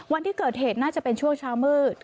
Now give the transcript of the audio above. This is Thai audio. วันที่เกิดเหตุน่าจะเป็นช่วงเช้ามืด